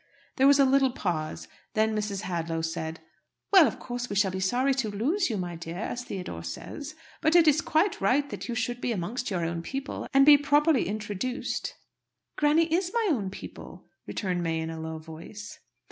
There was a little pause. Then Mrs. Hadlow said, "Well, of course we shall be sorry to lose you, my dear, as Theodore says. But it is quite right that you should be amongst your own people, and be properly introduced." "Granny is my own people," returned May in a low voice.